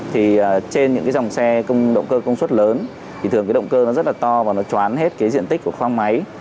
thì trên những cái dòng xe động cơ công suất lớn thì thường cái động cơ nó rất là to và nó choán hết cái diện tích của khoang máy